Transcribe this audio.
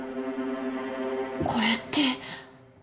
これって。